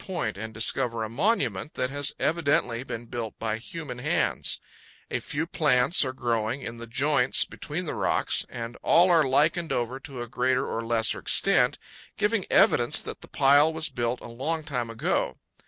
point and discover a monument that has evidently been built by human hands. A few plants are growing in the joints between the rocks, and all are lichened over to a greater or less extent, giving evidence powell canyons 117.jpg 172 KIVAS OF SHUMOPAVI. that the pile was built a long time ago.